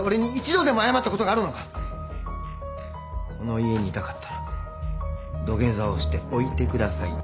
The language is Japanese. この家にいたかったら土下座をして「置いてください」と言え。